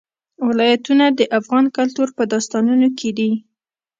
ولایتونه د افغان کلتور په داستانونو کې دي.